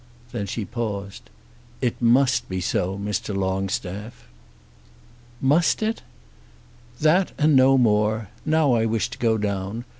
Then she paused. "It must be so, Mr. Longstaff." "Must it?" "That and no more. Now I wish to go down.